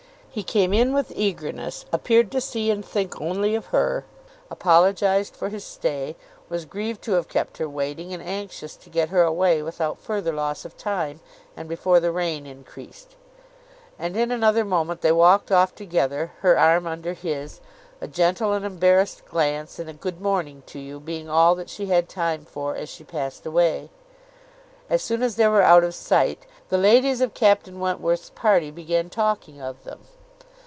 He came in with eagerness, appeared to see and think only of her, apologised for his stay, was grieved to have kept her waiting, and anxious to get her away without further loss of time and before the rain increased; and in another moment they walked off together, her arm under his, a gentle and embarrassed glance, and a "Good morning to you!" being all that she had time for, as she passed away. As soon as they were out of sight, the ladies of Captain Wentworth's party began talking of them.